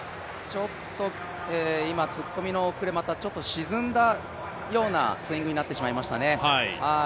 ちょっと突っ込みの遅れ、ちょっと沈んだようなスイングになってしまいましたね。